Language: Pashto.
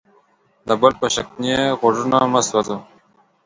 د بل په شکنې غوږونه مه سوځه.